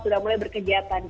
udah mulai berkegiatan gitu